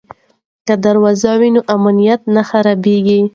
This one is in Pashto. که دروازه وي نو امنیت نه خرابېږي.